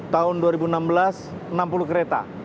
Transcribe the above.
tahun dua ribu enam belas enam puluh kereta